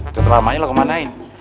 teramanya lo kemanain